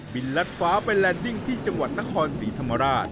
ลัดฟ้าไปแลนดิ้งที่จังหวัดนครศรีธรรมราช